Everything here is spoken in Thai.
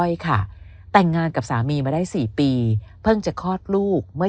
ค่ะแต่งงานกับสามีมาได้๔ปีเพิ่งจะคลอดลูกเมื่อ